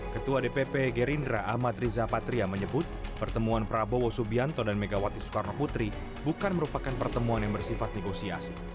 ketua dpp gerindra ahmad riza patria menyebut pertemuan prabowo subianto dan megawati soekarno putri bukan merupakan pertemuan yang bersifat negosiasi